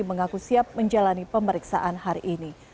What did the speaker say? mengaku siap menjalani pemeriksaan hari ini